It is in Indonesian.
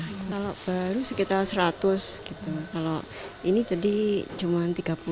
kalau baru sekitar seratus gitu kalau ini jadi cuma tiga puluh